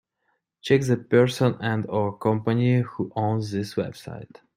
Check the person and/or company who owns this website.